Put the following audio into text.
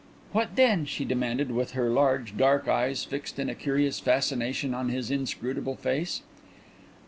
"What then?" she demanded, with her large dark eyes fixed in a curious fascination on his inscrutable face.